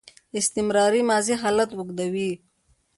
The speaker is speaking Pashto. استمراري ماضي حالت اوږدوي.